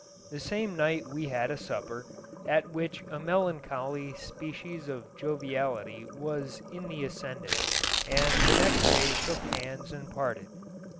The same night we had a supper, at which a melancholy species of joviality was in the ascendant, and the next day shook hands and parted.